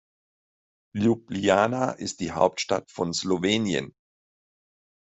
Ljubljana ist die Hauptstadt von Slowenien.